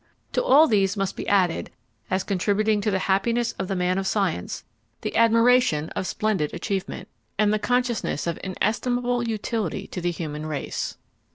To all these must be added, as contributing to the happiness of the man of science, the admiration of splendid achievement, and the consciousness of inestimable utility to the human race.